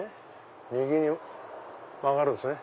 右に曲がるんすね。